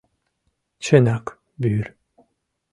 — Чынак, вӱр...